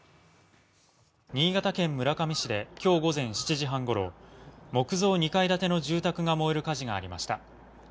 新潟県村上市で今日午前７時半ごろ、木造２階建ての住宅が燃える火事がありました。